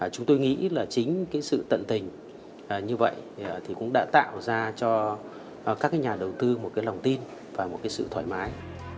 chúng tôi nghĩ là chính cái sự tận tình như vậy thì cũng đã tạo ra cho các nhà đầu tư một cái lòng tin và một cái sự thoải mái